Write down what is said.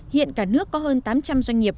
hiện cả nước có hơn tám trăm linh doanh nghiệp